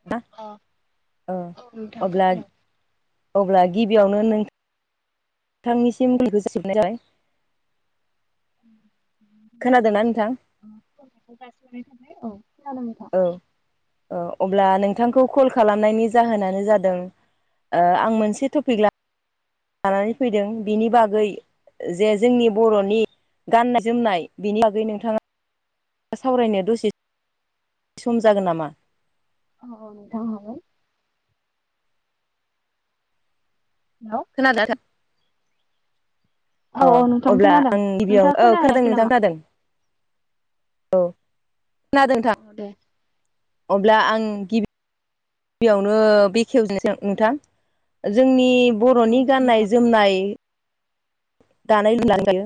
[unintelligible] अह। औ अब्ला अब्ला गिबियावनो नों थांनिसिम खुलुमनायखौ जासिहरनाय जाबाय। [inaudible] खोनादोंना नोंथां जासिनाय थाबाय औ खोनादों नोंथां। [inaudible] ओ अब्ला नोंथांखौ कल खालामनायनि जाहोनानो जादों ओ आं मोनसे टपिक ला लानानै फैदों बिनि बागै जे जोंनि बरनि गाननाय जोमनाय बिनि बागै नोंथाङा सावरायनो दसे सम जागोन नामा? औ नोंथां हागोन। हेलौ खोनादोंना नोंथां? औ औ नोंथां अह अब्ला खोनादों आं गिबियाव नोंथाङा औ खोनादों खोनाहैयाखै नोंथां नामा? खोनादों। औ खोनादों नोंथां। उम अब्ला आं गिबि गिबियावनो बेखेवजेन नोंथां जोंनि औ बरनि गाननाय नोंथां जोमनाय दानाय लुनानै जायो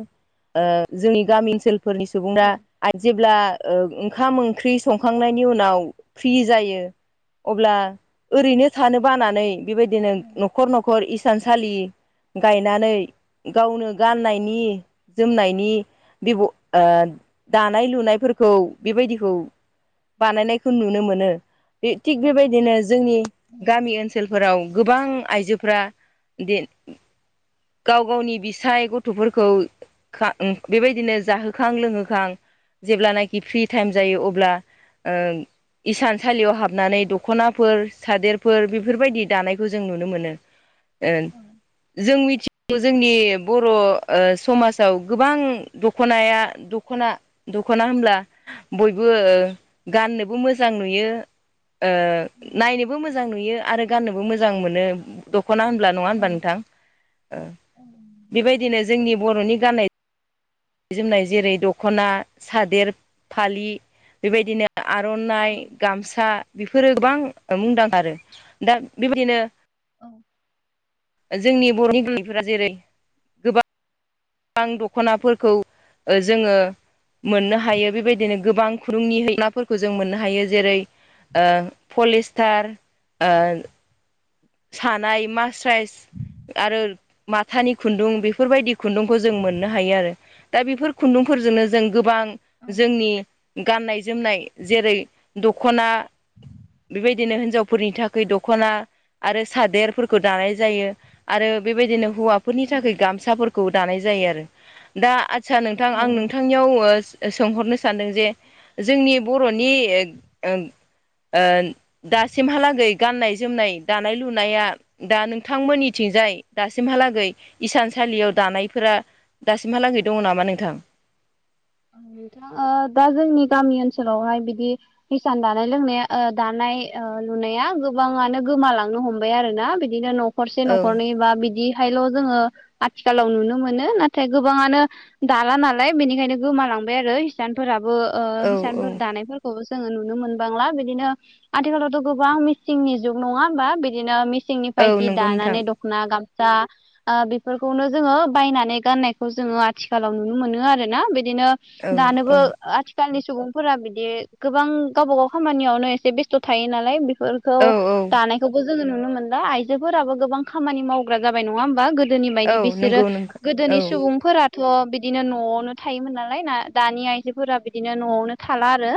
ओ जोंनि गामि ओनसोलफोरनि औ सुबुंङा आइ जेब्ला ओंखाम ओंख्रि संखांनायनि उनाव फ्रि जायो अब्ला ओरैनो थानो बानानै बेबायदिनो औ नखर नखर इसानसालि गायनानै गावनो गाननायनि जोमनायनि बेब ओ दानाय लुनायफोरखौ बेबायदिखौ बानायनायखौ नुनो मोनो। थिग बेबायदिनो जोंनि गामि ओनसोलफोराव गोबां आइजोफ्रा गाव गावनि बिसाय गथफोरखौ बेबायदिनो जाहोखां लोंहोखां जेब्लानाखि फ्रि टाइम जायो अब्ला ओ इसानसालियाव हाबनानै दखनाफोर सादेरफोर बेफोरबायदि दानायखौ जों नुनो मोनो। [inaudible] ओं जों मिथि जोंनि बर ओ समाजाव गोबां दखनाया दखना दखना होनब्ला बयबो गाननोबो मोजां नुयो। ओ नायनोबो मोजां नुयो आरो गाननोबो मोजां मोनो दखना होनब्ला नङा औ होनबा नोंथां? ओ बेबायदिनो जोंनि बरनि गाननाय जोमनाय जेरै दखना सादेर फालि बेबायदिनो आरनाइ औ गामसा बेफोरो गोबां मुंदांखा आरो दा बेबायदिनो औ जोंनि बरनि गाननायफोरा जेरै गोबां दखनाफोरखौ जोङो मोननो हायो बेबायदिनो गोबां खुदुंनि नाफोरखौ जों मोननो हायो जेरै ओ पलिस्टार ओ सानाय मास्राइस आरो माथानि खुन्दुं बेफोरबायदि खुन्दुंखौ जों मोननो हायो आरो। दा बेफोर खुन्दुंफोरजोंनो जों गोबां औ जोंनि गाननाय जोमनाय जेरै दखना बेबायदिनो हिनजावफोरनि थाखाय दखना आरो सादेरफोरखौ दानाय जायो आरो बेबायदिनो हौवाफोरनि थाखाय गामसाफोरखौ दानाय जायो आरो दा आच्चा नोंथां औ आं नोंथां नियाव सोंहरनो सानदों जे जोंनि बरनि ओ दासिमहालागै गाननाय जोमनाय दानाय लुनाया दा नोंथांमोननिथिंजाय दासिमहालागै इसान सलियाव दानायफोरा दासिमहालागै दङ नामा नोंथां? औ नोंथां ओ दा जोंनि गामि ओनसोलावहाय बिदि हिसान दानाय लोंनाया दानाय लुनाया गोबाङानो गोमालांनो हमबाय आरो ना बिदिनो न नखरसे औ नखरननै बा बिदि ल' जोङो आथिखालाव नुनो मोनो नाथाय गोबाङानो दाला नालाय बेनिखायनो गोमालांबाय आरो हिसानफोराबो ओ औ औ हिसानफोर दानायफोरखौबो जोङो नुनो मोनबांला बिदिनो आथिखालावथ' गोबां मिसिंनि जुग नङा होमबा बिदिनो औ मिसिंनिफ्राय जि नंगौ नोंथां दानानै द खना गामसाा बेफोरखौनो जोङो बायनानै गाननायखौ जोङो आथिखालाव नुनो मोनो आरोना बे बिदिनो औ औ दानोबो आथिखालनि सुबुंफोरा बिदि गोबां गावबा गाव खामानियावनो एसे बेस्थ' थायो नालाय फोरखौ औ औ दानायखौबो जोङो नुनो मोनला आइजोफोराबो गोबां खामानि मावग्रा जाबाय नङा होमबा गोदोनि औ बायदि बिसोरो नंगौ नंगौ गोदोनि औ सुबुंफोराथ' बिदिनो न'आवनो थायोमोन नालाय ना दानि आइजोफोरा बिदिनो न'आवनो थाला आरो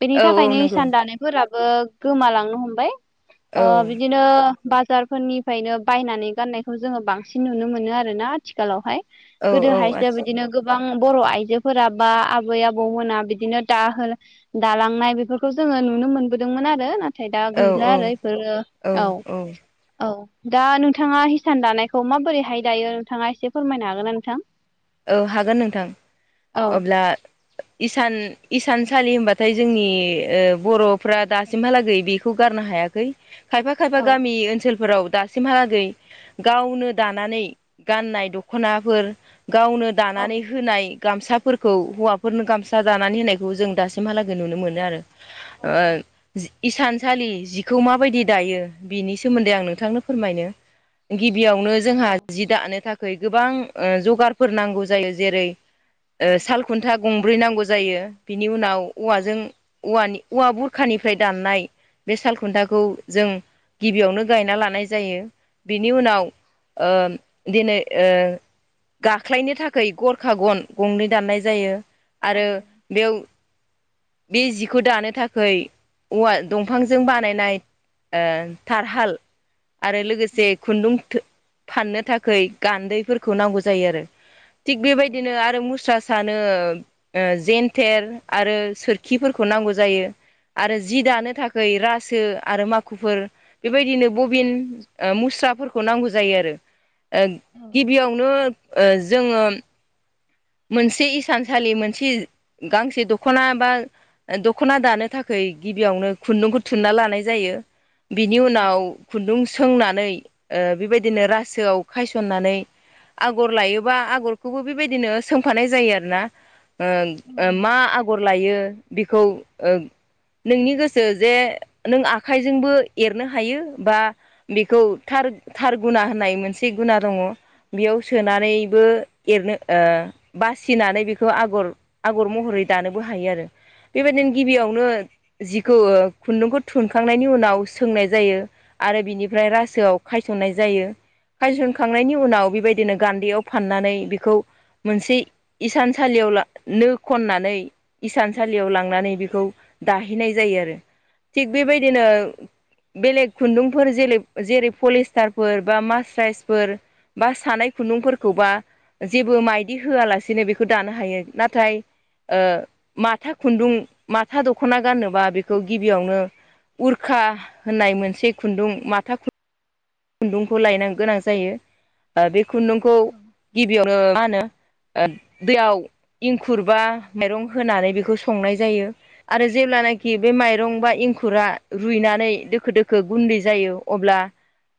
बेनि औ औ थाखायनो नंगौ इसान दानाय फोराबो गोमालांनो हमबाय औ बिदिनो बिनो बाजारफोरनिफ्रायनो बायनानै गाननायखौ जोङो बांसिन नुनो मोनो आरोना आथिखालावहाय औ औ गोदोहायसो बिदिनो गोबां बर' आइजोफोरा बा आबै आबौमोना बिदिनो दा दालांनाय बेफोरखौ जोङो नुनो मोनबोदोंमोन आरो न नमथाय दा गैला औ आरो बेफोरो औ औ दा नोंथाङा हिसान दानायखौ माबोरैहाय दायो नोंथाङा एसे फोरमायनो हागोन ना नोंथां औ हागोन नोंथां औ अब्ला इसान इसानसालि होनबाथाय जोंनि ओ बर'फ्रा दासिमहालागै बेखौ गारनो हायाख -खै खायफा खायफा औ गामि ओनसोलफोराव दास सिमहालागै गावनो दानानै गाननाय दख'नाफोर गावनो औ दानानै होनाय गामसाफोरखौ हौवाफोरनो गामसा दानानै होनायखौ जों दासिमहालागै नुनो मोनो आरो औ औ [unintelligible] इसानसालि जिखौ माबायदि दायो बिनि सोमोन्दै आं नोंथांनो फोरमायनो गिबियावनो जोंहा जि दानो थाखाय गोबां जगार फोर नांगौ जायो जेरै सालखुन्था गंब्रै नांगौ जायो बिनि उनाव औवाजों औानि औवा बुरखानिफ्राय दाननाय बे सालखुन्थाखौ जों गिबियावनो गायना लानाय जायो बिनि उनाव दिनै ओ गाख्लायनो थाखाय गरखा गन गंनै दाननाय जायो आरो बेयाव बे जिखौ दानो थाखाय औवा दंफांजों बानायनाय ओ थारहाल आरो लोगोसे खुन्दुं फाननो थाखाय गान्दैफोरखौ नांगौ जायो आरो थिग बेबायदिनो आरो मुस्रा सानो जेनथेर आरो सोरखिफोरखौ नांगौ जायो आरो जि दानो थाखाय रासो आरो माखुफोर बेबायदिनो बबिन मुस्राफोरखौ नांगौ जायो आरो। गिबियावनो जोङो मोनसे इसानसालि मोनसे गांसे दखना बा दख'ना दानो थाखाय गिबियावनो खुन्दुंखौ थुनना लानाय जायो बिनि उनाव खुन्दुं सोंनानै बेबायदिनो रासोआव खायसननानै आगर लायोबा आगरखौबो बेबायदिनो सोमफानाय जायो आरोना मा आगर लायो बेखौ नोंनि गोसो जे नों आखाइजोंबो एरनो हायो बा बेखौ थार थार गुना होननाय मोनसे गुना दङ बेयाव सोनानैबो एरनो ओ बासिनानै बेखौ आगर आगर महरै दानोबो हायो आरो। बेबायदिनो गिबियावनो जिखौ खुन्दुंखौ थुनखांनायनि उनाव सोंनाय जायो। आरो बिनिफ्राय रासोआव खायसनाय जायो। हायसनखांनायनि उनाव बेबायदिनो गान्दैयाव फाननानै बेखौ मोनसे इसानसालियाव नो खननानै इसानसालियाव लांनानै बेखौ दाहैनाय जायो आरो। थिग बेबायदिनो बेलेग खुन्दुंफोर जेरै जेरै पलिस्टारफोर बा मास्राइसफोर बा सानै खुन्दुंफोरखौबा जेबो माय बिदि होआलासेनो बेखौ दानो हायो नाथाय ओ माथा खुन्दुं माथा दख'ना गानोबा बेखौ गिबियावनो उरखा होननाय मोनसे खुन्दुं माथा खुु खुन्दुंखौ लायनो गोनां जायो बे खुन्दुंखौ गिबियावनो मा होनो ओ दैयाव इंखुर बा माइरं होनानै बेखौ संनाय जायो आरो जेब्लाना खि बे माइरं बा इंखुरा रुइनानै दोखो दोखो गुन्दै जायो अब्ला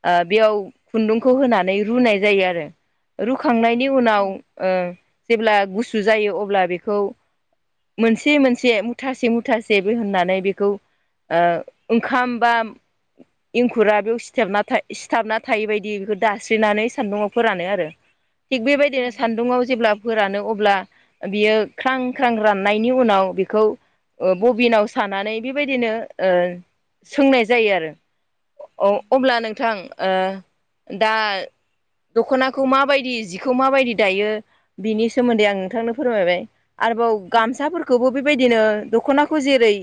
ओ बियाव खुन्दुंखौ होनानै रुनाय जायो आरो रुखांनायनि उनाव ओ जेब्ला गुसु जायो अब्ला बेखौ मोनसे मोनसे मुथासे मुथासेबो होननानै बेखौ ओ ओंखाम बा इंखुरा बेयाव सिथाबना था सिथाबना थायै बायदि बेखौ दास्रिनानै सान्दुंङाव फोरानो आरो। थिग बेबायदिनो सान्दुङआव जेब्ला फोरानो अब्ला बियो ख्रां ख्रां राननायनि उनाव बेखौ बबिनाव सानानै बेबायदिनो सोंनाय जायो आरो। औ अब्ला नों ओ दा दख'नाखौ माबायदि जिखौ माबायदि दायो बिनि सोमोन्दै आं नोंथांनो फोरमायबाय आरोबाव गामसाफोर खौबो बेबायदिनो दख'नाखौ जेरै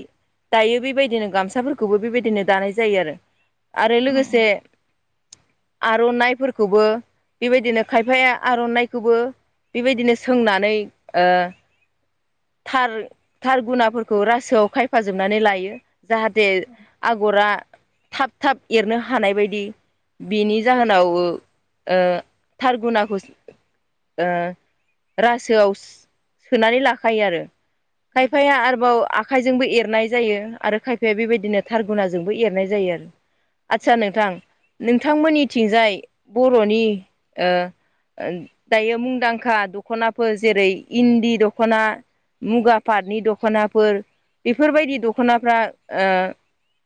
दायो बेबायदिनो गामसाफोरखौबो बेबायदिनो दानाय जायो आरो आरो लोगोसे आर'नाइफोरखौबो बेबायदिनो खायफाया आर'नाइखौबो बेबायदिनो सोंनानै ओ थार थार गुनाफोरखौ रासोआव खायफाजोबनानै लायो। जाहाथे आगरा थाब थाब एरनो हानाय बायदि बेनि जाहोन नाव ओ थारगुनाखौ ओ रासोआव सोनानै लाखायो आरो। खायफाया आरोबाव आ खायजोंबो एरनाय जायो आरो खायफाया बेबायदिनो थारगुनााजोंबो एरनाय जायो आरो। आतसा नोंथां नोंथांमोननिथिंजाय बर'नि ओ अम दायो मुंदांखा दख'नाफोर जेरै इन्दि दख'ना मुगा पाटनि दख'नाफोर बेफोरबायदि दख'नाफ्रा ओ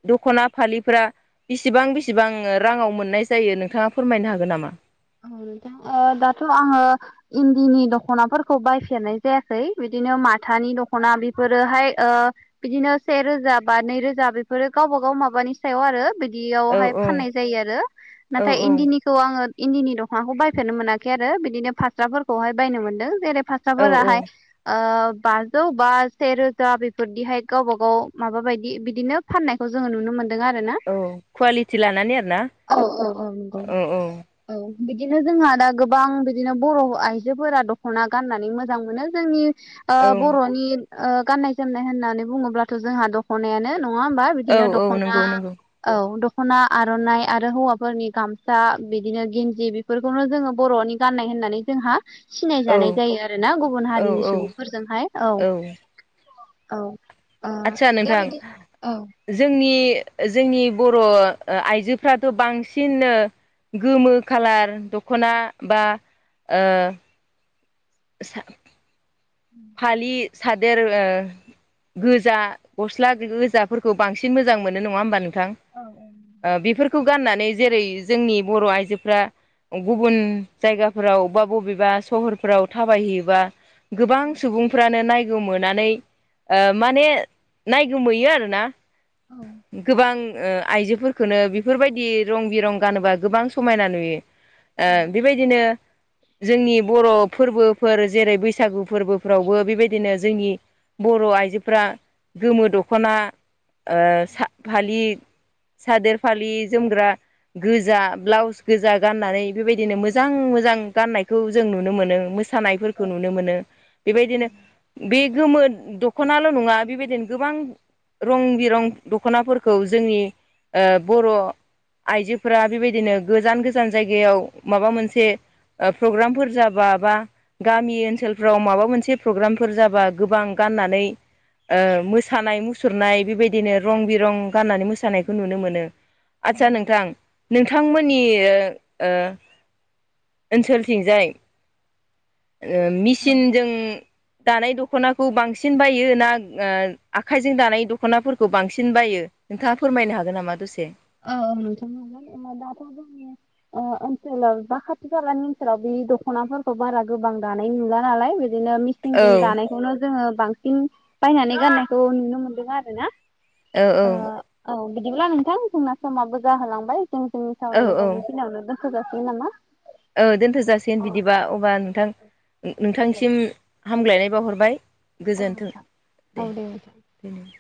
दख'ना फालिफ्रा बिसिबां बिसिबां ओ राङाव मोननाय जायो नोंथाङा फोरमायनो हागोन नामा। ओ दाथ' आङो इन्दिनि दख'नाफोरखौ बायफेरनाय जायाखै बिदिनो माथानि दख'ना बेफोरोहाय ओ बिदिनो से रोजा बा नै रोजा बेफोरो गावबा गाव माबानि सायाव आरो। औ बिदियावहाय औ फाननाय जायो आरो औ नाथाय औ इन्दिनिखौ आङो इन्दिनि दखनाखौ बायफेरनो मोनाखै आरो बिदिनो फास्राफोरखौहाय बायनो मोन्दों जेरै फा औ स्राफोरा औ हाय ओ बाजौ बा सेेरोजा बेफोरदिहाय गावबा गाव माबा बायदि बिदिनो फाननायखौ जोंङो नुनो मोनदों आरो ना औ कुवालिटि लानानै आरोना औ औ औ नंगौ औ औ औ बिदिनो जोंहा दा गोबां बिदिनो बर' आइजोफोरा दख'ना गाननानै मोजां मोनो जोंनि ओ औ बर'नि ओ गाननाय जोमनाय होननानै बुङोब्लाथ' जोंहा दख'नायानो नङा होमबा? औ फोदिनो औ दख'ना नंगौ नंगौ औ दख'ना आर'नाइ आरो हौवाफोरनि गामसा बि दिनो गिनदि बिफोरखौनो जोङो बर'नि गाननाय होननानै जोंहा सिनाय औ जानाय जायो आरो ना गुबुन औ हारिनि औ सुबुंफोर जोंहाय औ। औ आदसा नोंथां। जोंनि जोंनि बर' ओ आइजोफ्राथ' बांसिननो गोमो खालार दख'ना बा ओ सा [inaudible] फालि सादेर ओ गोजा गस्ला गोजाफोरखौ बांसिन मोजां मोनो नङा होमबा नों थां ओ बेफोरखौ गाननानै जेरै जोंनि बर' आइजोफ्रा गुबुन जायगाफोराव बा बबेबा सहरफोराव थाबाय हैयोबा गोबां फ्रानो नायगोमोनानै ओ माने नायगोमोयो आरो गोबां ओ आइजोफोरखोनो बिफोरबायदि रं बिरं गानोबा गोबां समायना नुयो। ओ बेबायदिनो जोंनि बर' फोरबोफोर जेरै बैसागु फोरबो फोरावबो बेबायदिनो जोंनि बर' आइजोफ्रा गोमो दख'ना ओ सा फालि सादोर फालि जोमग्रा गोजा ब्लाउस गोजा गाननानै बेबायदिनो मोजां मोजां गाननायखौ जों नुनो मोनो। मोस सानायफोरखौ नुनो मोनो। बायदिनो बे गोमो दख'नाल' नङा बेबायदिनो गोबां रं बिरं दख'नाफोरखौ जोंनि ओ बर' आइजो फोरा बेबायदिनो गोजान गोजान जायगायाव माबा मोनसे ओ फ्रग्रामफोर जाबा बा गामि ओनसोलफ्राव माबा मोन से प्रग्रामफोर जाबा गोबां गाननानै ओ मोसानाय मुसुरनाय बेबायदिनो रं बिरं गाननानै मोसानायखौ नुनो मोनो। आदसा नोंथां नों थांमोननि ओ ओ ओनसोलथिं जाय ओ मिचिनजों दानाय दख'नाखौ बांसिन बायो ना ओ आखाइजों दानाय दख'नाफोरखौ बांसिन बायो? नोंथाङा फोरमायनो हागोन नामा दसे? औ औ नोंथां' नाजागोन दाथ' जोंनि ओ ओनसोलाव बा खाथि खालानि ओनसोलाव बे दख'नाफोरखौ बारा गोबां दानाय नुला नालाय बिदिनो मिस सिंजों औ दानायखौनो जोङो बांसिन बायनानै गाननायखौ नुनो मोनदों आरो ना। औ ओ औ औ बिदिब्ला नोंथां जोंना समाबो जाहो लांबाय सिं सिं औ सावरायनायखौ औ बेखिनियावनो दोनथ' जासिगोन नामा? औ दोनथ'जासिगोन बिदिबा अबा नोंथां ओ नोंथांसिम हामग्लाय नाय बावहरबाय गोजोन्थों दे। बेनो